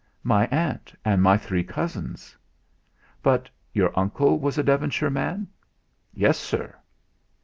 "My aunt, and my three cousins." "But your uncle was a Devonshire man?" "Yes, Sir."